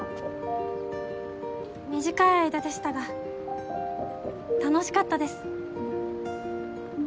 短い間でしたが楽しかったです。